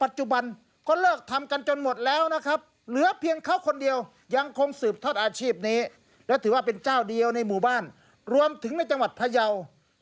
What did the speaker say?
หรือว่าเป็นเจ้าเดียวในหมู่บ้านรวมถึงในจังหวัดพระเยาะ